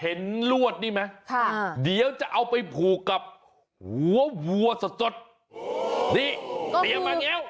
เห็นลวดนี่ไหมจะเอาไปผูกกับหัววัวสดนี่เดี๋ยวมาเงี๊ยว